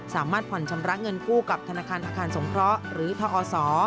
สามารถผ่อนชำระเงินกู้กับธนาคารอาคารสงเคราะห์หรือทอศ